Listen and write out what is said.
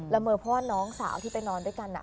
เมอเพราะว่าน้องสาวที่ไปนอนด้วยกัน